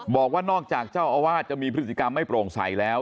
บอกว่านอกจากเจ้าอาวาสจะมีพฤติกรรมไม่โปร่งใสแล้ว